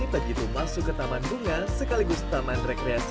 begitu masuk ke taman bunga sekaligus taman rekreasi